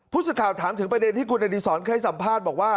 ผู้สื่อข่าวถามถึงประเด็นที่คุณอดีศรเคยสัมภาษณ์บอกว่า